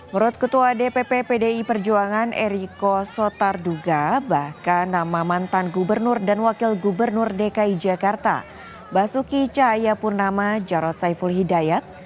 menurut ketua dpp pdi perjuangan eriko sotarduga bahkan nama mantan gubernur dan wakil gubernur dki jakarta basuki cahayapurnama jarod saiful hidayat